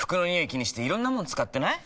気にしていろんなもの使ってない？